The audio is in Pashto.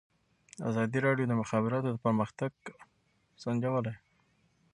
ازادي راډیو د د مخابراتو پرمختګ پرمختګ سنجولی.